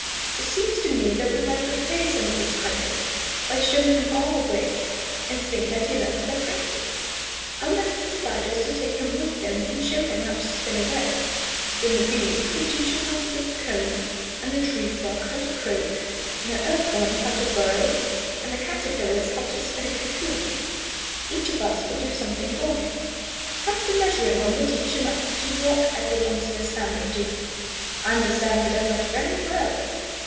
It seems to me that we might repay some of his kindness by showing him our ways, and seeing that he learns by practice. I would ask the Spiders to take him with them and show him how to spin a web. Then the Bees could teach him how to build comb, and the Tree Frog how to croak, and the Earthworms how to burrow, and the Caterpillars how to spin a cocoon. Each of us will do something for him. Perhaps the Measuring Worm will teach him to walk as the Worms of his family do. I understand he does that very well."